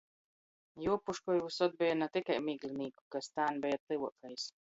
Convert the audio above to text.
Juopuškoj vysod beja na tikai Miglinīku, kas tān beja tyvuokais.